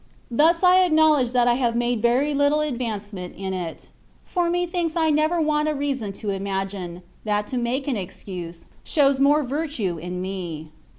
Thus I acknowledge that I have made very little advance THE WAY OP PEBFSCTION. 69 ment in it ; for methinks I never want a reason to imagine^ that to make an excuse — shows more virtue in me.